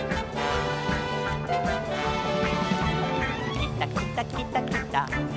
「きたきたきたきた」